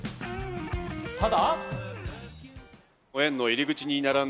ただ。